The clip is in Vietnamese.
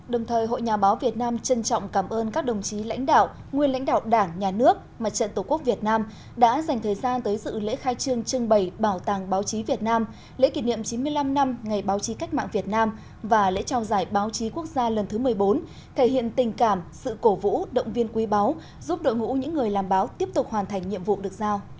đồng thời hội nhà báo việt nam trân trọng cảm ơn các đồng chí lãnh đạo nguyên lãnh đạo đảng nhà nước mặt trận tổ quốc việt nam đã dành thời gian tới sự lễ khai trương trưng bày bảo tàng báo chí việt nam lễ kỷ niệm chín mươi năm năm ngày báo chí cách mạng việt nam và lễ trao giải báo chí quốc gia lần thứ một mươi bốn thể hiện tình cảm sự cổ vũ động viên quý báo giúp đội ngũ những người làm báo tiếp tục hoàn thành nhiệm vụ được giao